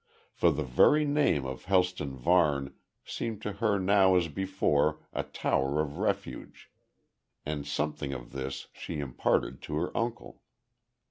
For the very name of Helston Varne seemed to her now as before, a tower of refuge. And something of this she imparted to her uncle.